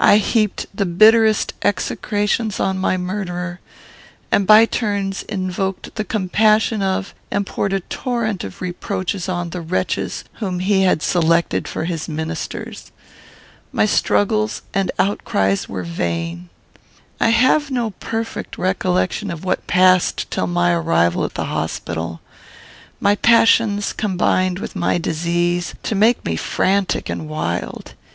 I heaped the bitterest execrations on my murderer; and by turns, invoked the compassion of, and poured a torrent of reproaches on, the wretches whom he had selected for his ministers. My struggles and outcries were vain. "I have no perfect recollection of what passed till my arrival at the hospital. My passions combined with my disease to make me frantic and wild.